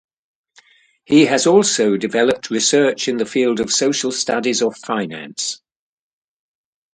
He has also developed research in the field of social studies of finance.